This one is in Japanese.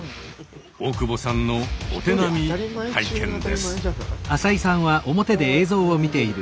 大久保さんのお手並み拝見です。